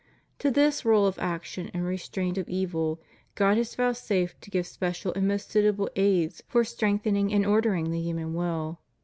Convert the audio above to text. To this rule of action and restraint of evil God has vouchsafed to give special and most suitable aids for strengthening and ordering the human wall.